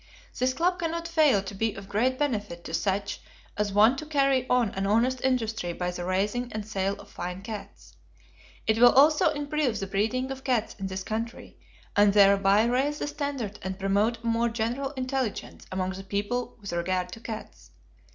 This club cannot fail to be of great benefit to such as want to carry on an honest industry by the raising and sale of fine cats. It will also improve the breeding of cats in this country, and thereby raise the standard and promote a more general intelligence among the people with regard to cats.